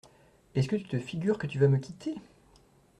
Est-ce que tu te figures que tu vas me quitter ?